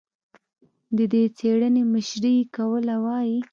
د دې څېړنې مشري یې کوله، وايي